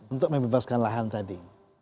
untuk membebaskan lahan tadi